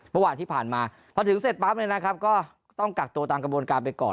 เมื่อวานที่ผ่านมาพอถึงเสร็จปั๊บเนี่ยนะครับก็ต้องกักตัวตามกระบวนการไปก่อน